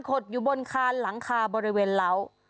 ดอยู่บนคานหลังคาบริเวณเหล้า